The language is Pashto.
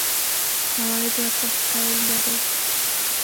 عوایدو ارزښت قایل نه دي.